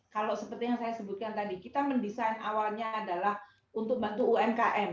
kalau seperti yang saya sebutkan tadi kita mendesain awalnya adalah untuk bantu umkm